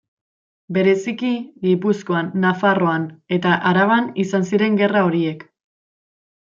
Bereziki, Gipuzkoa, Nafarroa eta Araban izan ziren gerra horiek.